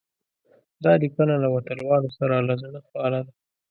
دا لیکنه له وطنوالو سره د زړه خواله ده.